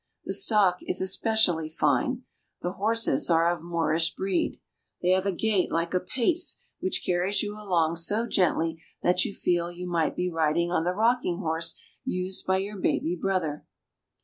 The stock is especially fine. The horses are of Moorish breed. Theyhave a gait like a pace, which carries you along so gently that you feel you might be riding on the rocking horse used by your baby brother.